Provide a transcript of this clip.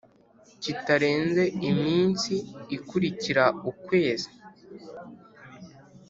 kitarenze iminsi ikurikira ukwezi